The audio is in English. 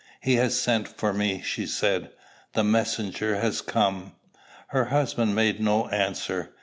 "He has sent for me," she said. "The messenger has come." Her husband made no answer.